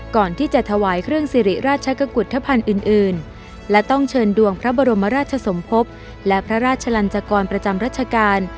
ก่อนที่จะถวายเครื่องสิริราชกุฏธภัณฑ์อื่นและต้องเชิญดวงพระบรมราชสมภพและพระราชลันจกรประจำรัชกาล